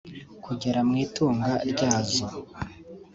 kugera mu itunga ryazo